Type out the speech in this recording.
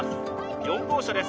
４号車です